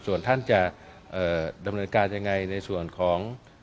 ส่วนท่านจะดำเนินการยังไงในส่วนของ